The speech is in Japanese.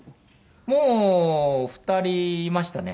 もう２人いましたね。